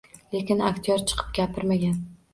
Lekin aktyor chiqib gapirmagan